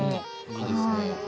いいですね。